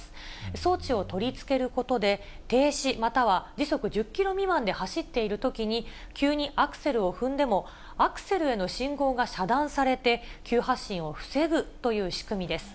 装置を取り付けることで、停止または時速１０キロ未満で走っているときに、急にアクセルを踏んでも、アクセルへの信号が遮断されて、急発進を防ぐという仕組みです。